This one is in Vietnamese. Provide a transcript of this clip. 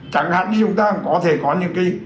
chẳng hạn chúng ta có thể có những cái